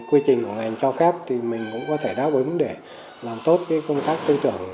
quy trình của ngành cho phép thì mình cũng có thể đáp ứng để làm tốt cái công tác tư tưởng